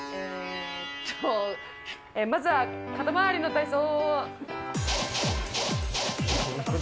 まずは肩周りの体操。